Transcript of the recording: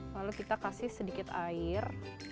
lalu kita kasih sedikit air